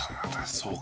そうか。